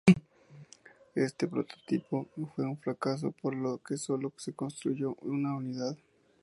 Este prototipo fue un fracaso por lo que sólo se construyó una unidad.